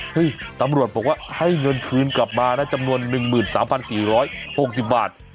ตำรวจบอกว่าให้เงินคืนกลับมานะจำนวน๑๓๔๖๐บาท